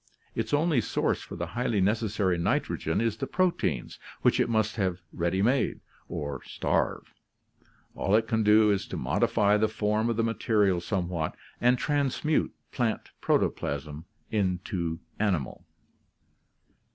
Its only source for the highly necessary nitrogen is the proteins, which it must have ready made, or starve; all it can do is to modify the form of the material somewhat, and transmute plant protoplasm into animal.